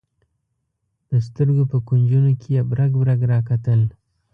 د سترګو په کونجونو کې یې برګ برګ راکتل.